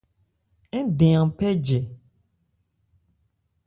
Ń dɛn an phɛ́ jɛ.